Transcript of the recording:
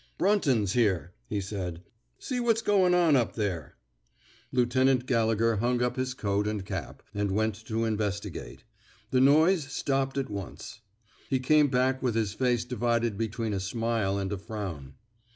Brunton^s here,*' he said. See what's goin' on up there/' Lieutenant Gallegher hung up his coat and cap, and went to investigate. The noise stopped at once. He came back with his face divided be tween a smile and a frown.